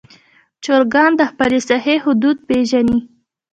چرګان د خپل ساحې حدود پېژني.